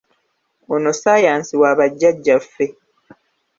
Ono ssaayansi wa bajjaajjaffe!